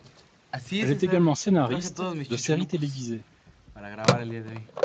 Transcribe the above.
Elle est également scénariste de séries télévisées.